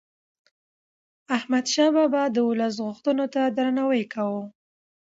احمد شاه بابا د ولس غوښتنو ته درناوی کاوه.